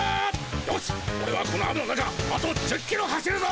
よしオレはこの雨の中あと１０キロ走るぞ！